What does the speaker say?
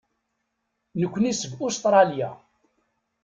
Nekkni seg Ustṛalya.